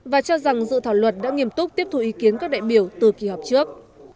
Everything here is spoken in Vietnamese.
và cho rằng dự thảo luật đã nghiêm túc tiếp thu ý kiến các đại biểu từ kỳ họp trước